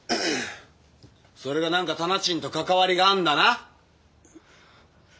それが何か店賃と関わりがあんだな？